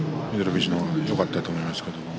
富士の方がよかったと思いますけれど。